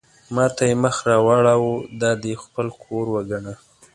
ما ته یې مخ را واړاوه: دا دې خپل کور وګڼه.